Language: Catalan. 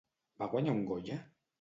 Va guanyar un Goya?